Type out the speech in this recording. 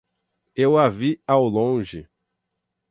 Eu a vi ao longe